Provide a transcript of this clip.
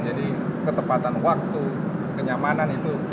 jadi ketepatan waktu kenyamanan itu